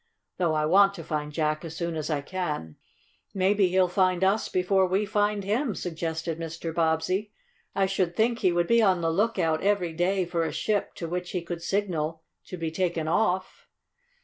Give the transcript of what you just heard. Though I want to find Jack as soon as I can." "Maybe he'll find us before we find him," suggested Mr. Bobbsey. "I should think he would be on the lookout, every day, for a ship to which he could signal to be taken off."